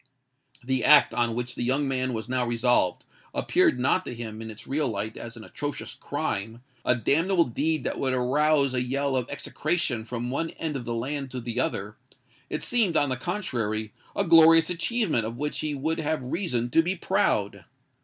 The act on which the young man was now resolved, appeared not to him in its real light as an atrocious crime—a damnable deed that would arouse a yell of execration from one end of the land to the other:—it seemed, on the contrary, a glorious achievement of which he would have reason to be proud.